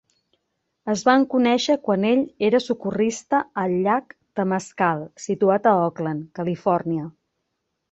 Es van conèixer quan ell era socorrista al llac Temescal, situat a Oakland, Califòrnia.